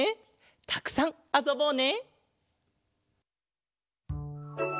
たくさんあそぼうね。